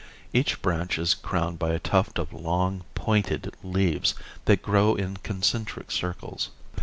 Each branch is crowned by a tuft of long, pointed leaves that grow in concentric circles.